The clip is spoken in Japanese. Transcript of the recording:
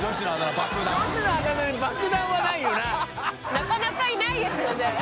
なかなかいないですよね。